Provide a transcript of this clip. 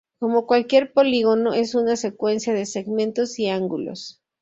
Como cualquier polígono, es una secuencia de segmentos y ángulos.